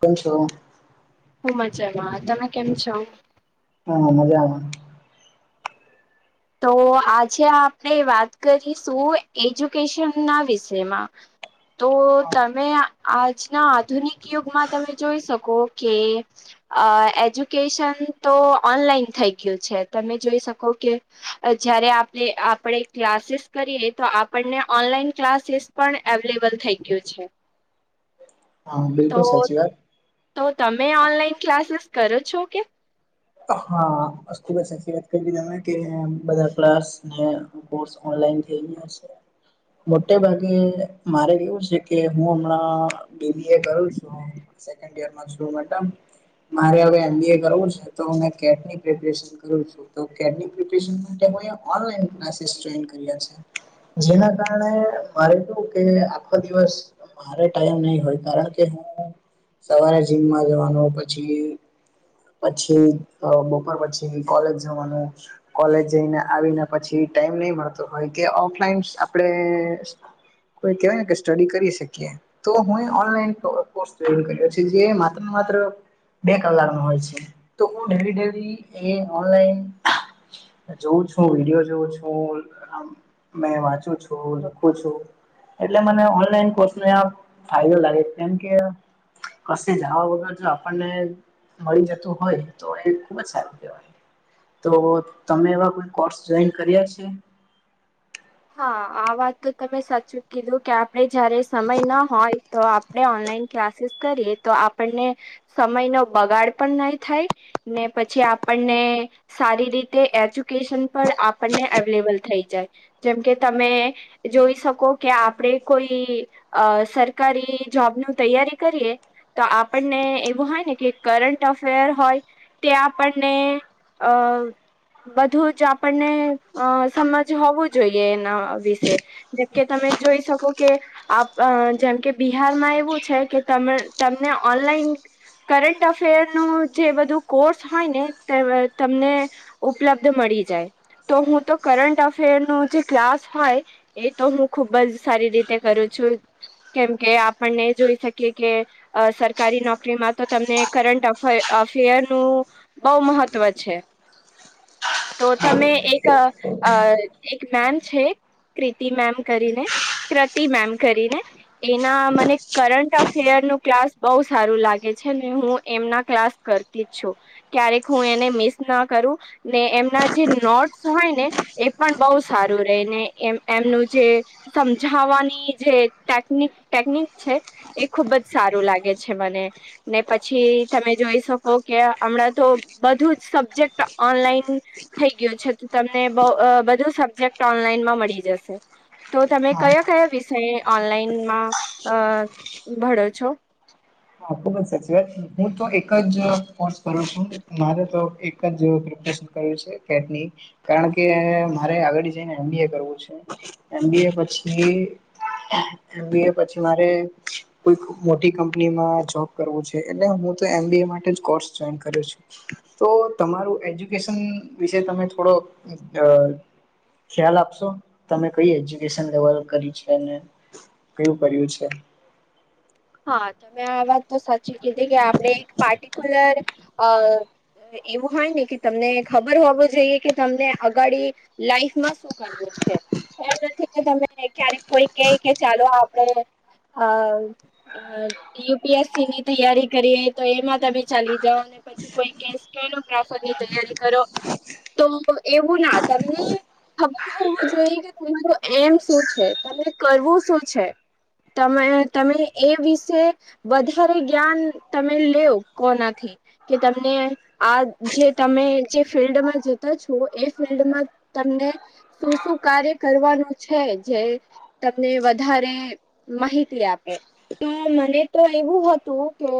કેમ છો? હું મજામાં. તમે કેમ છો? હા મજામાં તો આજે આપણેે વાત કરીશું એજ્યુકેશન ના વિષયમાં તો તમે આજના આધુનિક યુગમાં તમે જોઈ શકો કે અ એજ્યુકેશન તો ઓનલાઈન થઈ ગયું છે તમે જોઈ શકો કે જયારે આપણે આપણે ક્લાસીસ કરીએ તો આપણને ઓનલાઈન ક્લાસીસ પણ અવેલેબલ થઈ ગયું છે. હા બિલકુલ તો સાચી વાત. તો તમે ઓનલાઈન ક્લાસીસ કરો છો કે? હા ખુબ જ સાચી વાત કરી તમે બધા ક્લાસને કોર્સ ઓનલાઈન થઈ ગયા સે મોટે ભાગે મારે એવું છે કે હું હમણાં બી બી એ કરુ છુ સેકન્ડ યરમાં છુ [inaudible] મારે હવે એમ બી એ કરવું છે. તો અમે કેટની પ્રપરેશન કરું છું. [inaudible] ઓનલાઇન ક્લાસીસ જોઈન્ટ કર્યા છે. જેના કારણે મારે કેવુ કે આખો દિવસ મારે ટાઈમ નહી હોય કારણ કે હું સવારે જીમમાં જવાનું પછી પછી બપોર પછી કોલેજ જવાનું. કોલેજ જઈને આવીને પછી ટાઈમ નહી મળતો હોય કે ઓફલાઈન આપણે કોઈ કહેવાય ને કે સ્ટડી કરી શકીએ. તો હું ઓનલાઈન કો કોસ કર્યો છે જે માત્ર ને માત્ર બે કલાક નો હોય છે. તો હું ડેલી ડેલી એ ઓનલાઈન જોઉ છું, વિડીયો જોવું છું, મે વાંચું છું, લખું છું. એટલે મને ઓનલાઈન કોર્સને આ ફાયદો લાગે કેમ કે કશે જવા વગર જો આપણને મળી જતું હોય તો એ ખુબ જ સારું કહેવાય. તો તમે એવા કોઈ કોર્સ જોઈન કર્યા છે? હા આ વાત તો તમે સાચું કીધું કે આપડે જયારે સમય ના હોય. તો આપણે ઓનલાઈન ક્લાસીસ કરીએ તો આપણને સમય નો બગાડ પણ નહી થાય ને પછી આપણને સારી રીતે એજ્યુકેશન પણ આપણને અવેલેબલ થઈ જાય જેમકે તમે જોઈ શકો કે આપડે કોઈ અ સરકારી જોબ ની તૈયારી કરીએ. તો આપણને એવું હોય ને કે કરંટ અફેર હોય ત્યાં આપણને અ. બધું જ આપણને અ સમજ હોવું જોઈએ એના વિશે જેમકે તમે જોઈ શકો કે. આપ અ જેમ કે બિહારમાં એવું છે કે તમ તમને ઓનલાઈન કરટ અફેર નુ જે બધું કોર્સ હોય ને તે તમને ઉપલબ્ધ મળી જાય તો હું તો કરંટ અફેર નુ. જે ક્લાસ હોય એ તો હું ખુબ જ સારી રીતે કરું છું. કેમ કે આપણને જોઈ શકીએ કે. અ સરકારી નોકરીમાં તો તમને કરંટ અફર અફેર નું બહુ મહત્વ છે તો તમે એક અ. મેમ છે કૃતિ મેમ કરીને કૃતિ મેમ કરીને. એના મને કરંટ અફેર નું ક્લાસ બહુ સારું લાગે છે ને હું એમના ક્લાસ કરતી જ છું. ક્યારેક હું એને મિસ ના કરું ને એમના જે નોટ્સ હોય ને એ પણ બહુ સારું રે ને એમ એમનું જે. સમજાવાની જે ટેકનિક ટેકનિક છે. એ ખુબ જ સારું લાગે છે મને. ને પછી તમે જોઈ શકો કે હમણાં તો બધું જ સબ્જેક્ટ ઓનલાઈન થઈ ગયો છે તો તમને બહુ અ બધ. સબજેક્ટ ઓનલાઈનમાં મળી જશે તો તમે હા કયા કયા વિષય ઓનલાઈનમાં અ ભળો છો. હા ખુબ જ સાચી વાત હું તો એક જ કોર્સ કરું છું. મારે તો એક જ પ્રિપરેશન કર્યું છે કેની. કારણ કે મારે આગળ જઈને એમ બી એ કરવું છે એમ બી એ પછી એમબી એ પછી મારે કોઈક મોટી કંપની કંપની મા જોબ કરવુ છે એટલે હું તો એમબી માટે કોસૅ જોઈન કર્યો છે. તો તમારું એજ્યુકેશન વિશે તમે થોડો અ. ખ્યાલ આપશો તમે કઈ એજ્યુકેશન લેવલ કરી છે ને. પેલુ કર્યું છે. હા તમે આ વાત તો સાચી કીધી કે આપણે એક પાટિક્યુલર અ. એવું હોય ને કે તમને ખબર હોવો જોઈએ કે તમને અગાડી લાઈફમાં શું કરવું છે એમ નથી કે તમે કઈક ક્યારેક કોઈ કે કે ચાલો આપડે હ. અ યુપીએસસી ની તૈયારી કરીએ તો એમાં તમે ચાલી જાઓ ને. પછી કોઈ સ્કેનોગ્રાફર ની તૈયારી કરો તો એવું ના તમને ખબર હોવું જોઈએ કે તમારું એમ શું છે તને કરવું શું છે. તમે તમે. એ વિશે વધારે જ્ઞાન તમે લેવ કોનાથી કે તમને આ જે તમે જે ફિલ્ડમાં જતા છો એ ફિલ્ડમાં તમને શું શું કાર્ય કરવાનું છે જે. તમને વધારે મહિતી આપે. તો મને તો એવું હતું કે.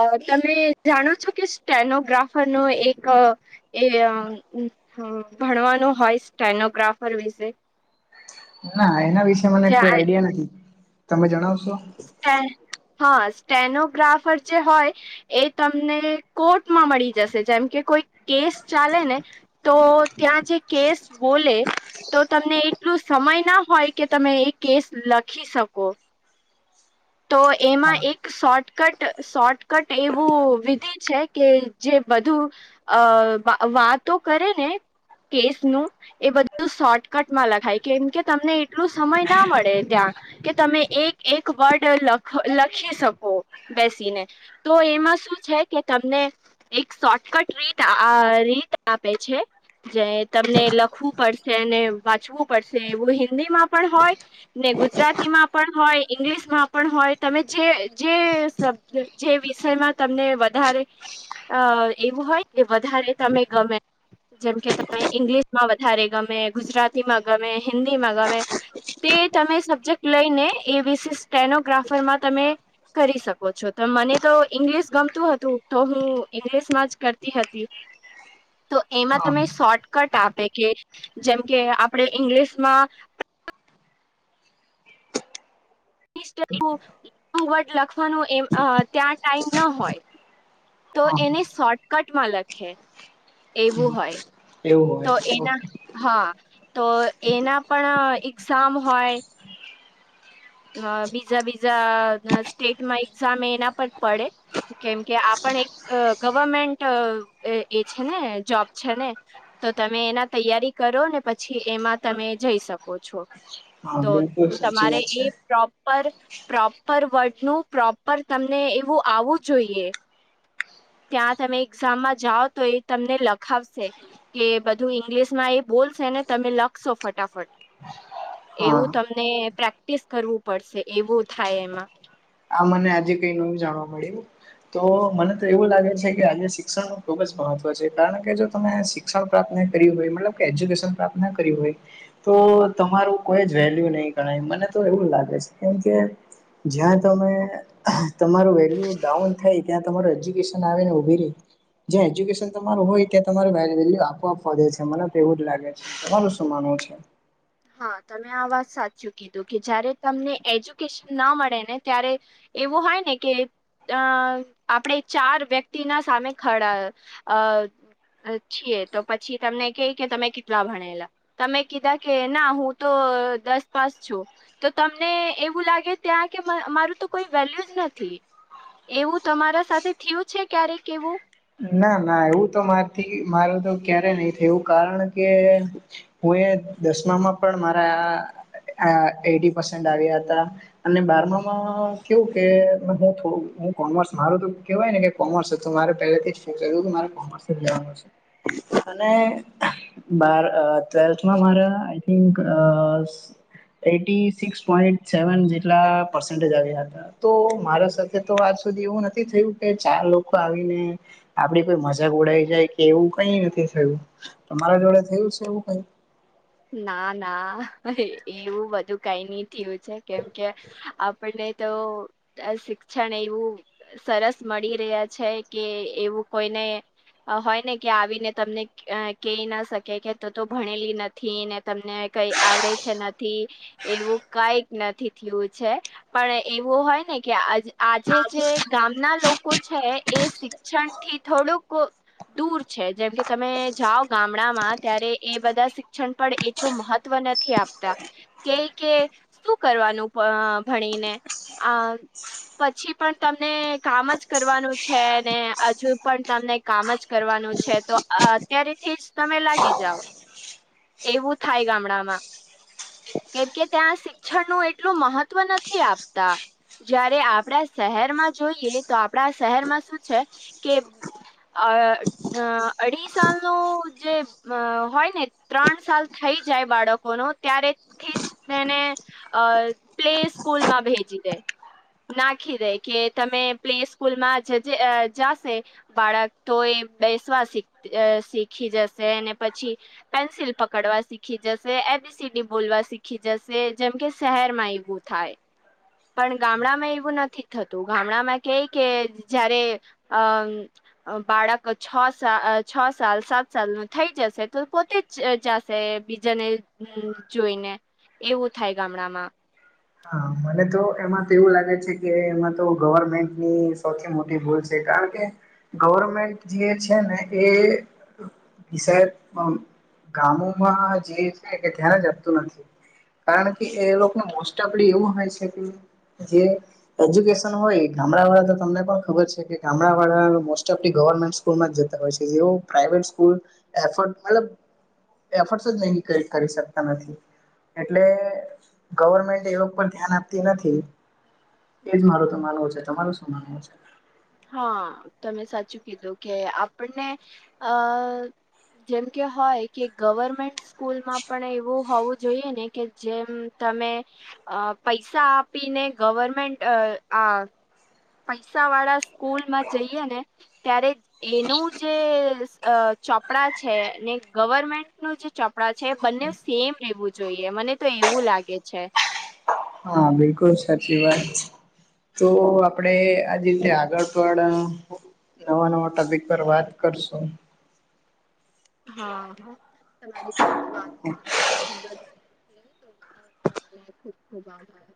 અ તમે જાણો છો કે સ્ટેનોગ્રાફર નો એક એ ભણવાનું હોય સ્ટેનોગ્રાફર વિશે. ના એના વિશે મને કોઈ આઈડિયા નથી તમે જણાવશો હા સ્ટેનોગ્રાફર જે હોય. એ તમને કોર્ટમાં મળી જશે જેમ કે કોઈ કેસ ચાલે ને. તો ત્યાં જે કેસ બોલે. તો તમને એટલું સમય ના હોય કે તમે એ કેસ લખી શકો તો એમાં હા એક શોર્ટકટ શોર્ટકટ એવું વિધિ છે કે જે બધું અ વાતો કરે ને કેસ નું એ બધું શોર્ટકટમાં લખાય કેમ કે તમને એટલું સમય ના મળે ત્યાં કે તમે એક એક વર્ડ લખ લખી શકો બેસીને તો એમાં શું છે કે તમને એક શોર્ટકટ રીત રીત આપે છે જે તમને લખવું પડશે અને વાંચવું પડશે એવું હિન્દીમાં પણ હોય ને ગુજરાતી માં પણ હોય ઈંગ્લિશ માં પણ હોય તમે જે શબ જે વિષયમાં તમને વધારે અ એવું હોય કે વધારે તમે ગમે જેમકે તમે ઈંગ્લિશમાં વધારે ગમે ગુજરાતીમાં ગમે હિન્દી માં ગમે તે તમે સબ્જેક્ટ લઈ ને એવીસીસ સ્ટેનોગ્રાફરમાં તમે કરી શકો છો તો મને તો ઈંગ્લિશ ગમતું હતું તો હું ઇંગ્લિશમાં જ કરતી હતી [inaudible] તો એમાં હા તમે શોર્ટકટ આપે કે જેમ કે આપડે ઈંગ્લિશમાં વર્ડ લખવાનું એ ત્યાં ટાઈમ ન હોય તો હા એને શોર્ટકટમાં લખે એવું હોય એવું તો હોય એના ઓકે હા તો એના પણ એક્ઝામ હોય અ બીજા બીજા સ્ટેટમાં એક્ઝામ એના પર પડે કેમ કે આપ પણ એક ગવર્મેન્ટ એ છે ને જોબ છે ને તો તમે એના તૈયારી કરો ને પછી એમાં તમે જઈ શકો છો હા તો બિલકુલ સાચી તમારે વાત છે એ પ્રોપર પ્રોપર વર્ડ નું પ્રોપર તમને એવું આવું જોઈએ ત્યાં તમે એક્ઝામમાં જાઓ તો એ તમને લખાવશે કે બધું ઈંગ્લિશ માં એ બોલશે ને તમે લખશો ફટાફટ એવું હા તમને પ્રેક્ટિસ કરવું પડશે એવું થાય એમાં આ મને આજે કઈ નવું જાણવા મળ્યું તો મને તો એવું લાગે છે કે આજે શિક્ષણ નું ખુબ જ મહત્વ છે કારણ કે જો તમે સી શિક્ણ પ્રાપ્ત્યું હોય એજ્યુકેશન પ્રાપ્ત કર્યું હોય તો તમારું કોઈ જ વેલ્યુ નહી ગણાય મને તો એવું લાગે છે કેમકે જ્યાં તમે તમારું વેલ્યુ ડાઉન થાય ત્યાં તમારૂ એજ્યુકેશન આવે ને ઉભી રહી જ્યાં એજ્યુકેશન તમારું હોય ત્યાં તમા વ વેલ્યુ આપો આપવા દે છે મને તો એવું જ લાગે છે. તમારું શું માનવું છે. હા તમે આ વાત સાચી કીધું કે જયારે તમને એજ્યુકેશન ના મળે ને ત્યારે એવું હોય ને કે અ આપણેે ચાર વ્યક્તિ ના સામે ખડા અ છીએ તો પછી તમને કય કે તમે કેટલા ભણેલા તમે કીધા કે ના હું તો દસ પાસ છું. તો તમને એવું લાગે ત્યાં કે મારું તો કોઈ વેલ્યુ જ નથી એવું તમારા સાથે થયું છે ક્યારેક એવું ના ના એવું તો મારથી મારું તો ક્યારેય નહી થયુ એવું કારણ કે હું એ દસમામાં પણ મારા આ એટી પરસન્ટ આવ્યા હતા અને બારમામાં કેવું કે હું થોડુ હું કોમર્સ મારું તો કેવાય ને કે કોમર્સ તો મારે [unintelligible] બાર ટ્વેલ્થમાં મારા I think eighty six point seven જેટલા પર્સન્ટેજ આવ્યા હતા તો મારા સાથે તો આજ સુધી એવું નથી થયું કે ચાર લોકો આવીને આપડી કોઈ મજાક ઉડાઈ જાય કે એવું કઈ નથી થયું તમારા જોડે થયું છે એવું કઈ ના ના એવું બધું કઈ નહી થયું છે કેમકે આ આપણને તો શિક્ષણ એવું. સરસ મળી રહ્યા છે કે એવું કોઈને. હોય ને કે આવીને તમને કહી ના શકે કે તું તો ભણેલી નથી. થી ને તમને કઈ આવડે છે નથી. એવું કઈક નથી થયું છે પણ એવું હોય ને કે આ. આજે જે ગામના લોકો છે એ શિક્ષણ. થી થોડુંક દૂર છે જેમ કે તમે જાઓ ગામડામાં ત્યારે એ બધા. ક્ષણ પડ એટલું મહત્વ નથી આપતા. કેય કે શું કરવાનું ભણીને આ. પછી પણ તમને કામ જ કરવાનું છે ને હજુ પણ તમને. કામ જ કરવાનું છે તો અત્યારે થી જ તમે લાગી જાઓ. એવું થાય ગામડામાં. કેમ કે ત્યાં શિક્ષણ નું એટલું મહત્વ નથી આપતા. જયારે આપડા શહેરમાં જોઈએ તો આપડા શહેરમાં શું છે કે. અ અ અઢી સાલ નું જે હોય ને. ત્રણ સાલ થઈ જાય બાળકોનો ત્યારેથી જ તેને. અ પ્લે સ્કૂલ માં ભેજી દે. નાખી દે કે તમે પ્લે સ્કૂલમાં જ જાશે. બાળક તો એ બેસવા શીખી જશે અને પછી. પેન્સિલ પકડવા શીખી જશે એબીસીડી બોલવા શીખી જશે જેમ કે શહેરમાં એવું થાય. પણ ગામડામાં એવું નથી થતું ગામડામાં કે કે જયારે અ. બાળક છ સા છ સાલ સાત સાલ નું થઈ જશે તો પોતે જ. જાશે બીજાને જોઈને એવું થાય ગામડામાં. હા મને તો એમાં તો એવું લાગે છે કે એમાં તો ગવર્મેન્ટની સૌથી મોટી ભૂલ. કારણકે ગવર્મેન્ટ જે છે ને એ. ગામોમાં જે છે કે ધ્યાન જ આપતું નથી. કારણ કે એ લોકો મોસ્ટોપ્લી એવું હોય છે કે જે. એજ્યુકેશન હોય ગામડાવાડા તો તમને પણ ખબર છે કે ગામડાવાળા મોસ્ટ ઓફ લિ ગવર્મેન્ટ. સ્કૂલમાં જતા હોય છે જેવો પ્રાઇવેટ સ્કૂલ એફર્ટ મતલબ. એફટસ જ ન કરી શકતા નથી એટલે ગવર્મેન્ટ. એ ઉપર ધ્યાન આપતી નથી એજ મારું તો માનવું છે તમારું શું માનવું છે. હા તમે સાચું કીધું કે આપને અ. જેમ કે હોય કે ગવર્મેન્ટ. સ્કૂલમાં પણ એવું હોવું જોઈએ ને કે જેમ તમે. અ પૈસા આપીને ગવર્મેન્ટ આ. પૈસાવાળા સ્કૂલમાં જઈયે ને ત્યારે. એનું જે ચોપડા છે ને ગવર્મેન્ટનું જે ચોપ. ડા છે બંનેવ સેમ લેવું જોઈએ મને તો એવું લાગે છે. હા બિલકુલ સાચી વાત છે. તો આપડે આજ રીતે આગળ પણ. નવા નવા ટોપીક પર વાત કરશું. હા હ તમારી સાથે વાત ખુબ જ. તમને ખૂબ ખૂબ આભાર.